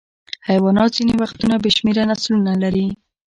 حیوانات ځینې وختونه بې شمېره نسلونه لري.